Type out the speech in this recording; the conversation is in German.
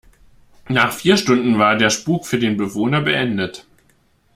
Nach vier Stunden war der Spuk für den Bewohner beendet.